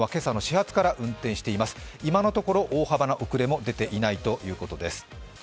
今のところ、大幅な遅れも出ていないということです。